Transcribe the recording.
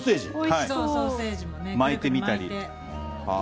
巻いてみたり。